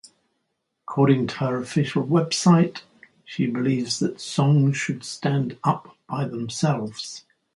According to her official website, she believes that songs should stand up by themselves.